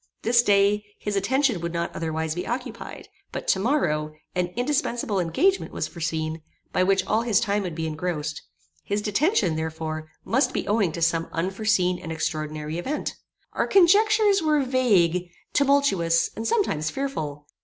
This day, his attention would not otherwise be occupied; but to morrow, an indispensible engagement was foreseen, by which all his time would be engrossed: his detention, therefore, must be owing to some unforeseen and extraordinary event. Our conjectures were vague, tumultuous, and sometimes fearful.